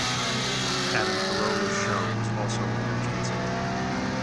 Adam Carolla's show was also later canceled.